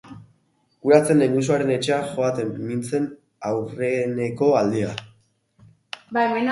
Hura zen lehengusuaren etxera joaten nintzen aurreneko aldia.